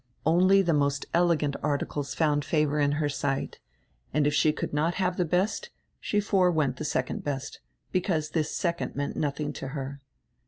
Only die most elegant articles found favor in her sight, and, if she could not have die best, she forewent die second best, because diis second meant nothing to her.